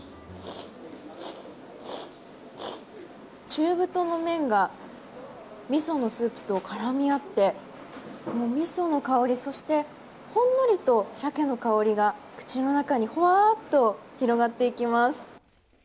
中太の麺がみそのスープとからみあってみその香り、そしてほんのりと鮭の香りが口の中にふわっと広がっていきます。